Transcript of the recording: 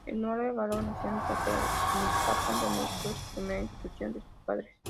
Herculano Alvarado nació en Totonicapán, donde obtuvo su primera instrucción de su padre.